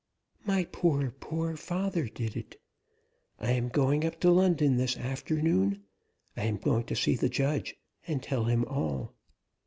"My poor, poor father did it. I am going up to London this afternoon; I am going to see the judge, and tell him all."